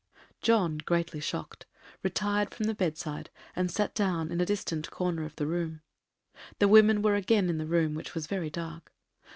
John, greatly shocked, retired from the bed side, and sat down in a distant corner of the room. The women were again in the room, which was very dark.